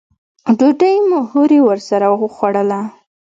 ډوډۍ مو هورې ورسره وخوړله.